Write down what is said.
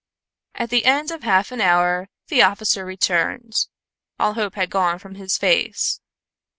At the end of half an hour, the officer returned; all hope had gone from his face.